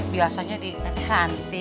biasanya di ranti